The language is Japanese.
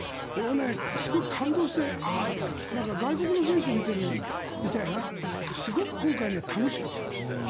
すごい感動してあ、外国の選手を見ているようなすごく今回楽しかった。